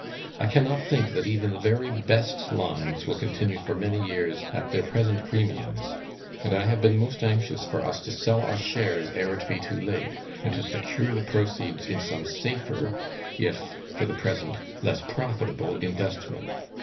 I cannot think that even the very best lines will continue for many years at their present premiums; and I have been most anxious for us to sell our shares ere it be too late, and to secure the proceeds in some safer, if, for the present, less profitable investment.